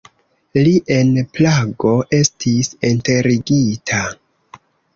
Li en Prago estis enterigita.